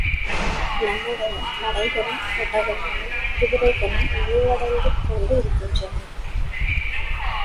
நம்முடைய படைகளும், ஒட்டகங்களும், குதிரைகளும் நலிவடைந்து கொண்டிருக்கின்றன.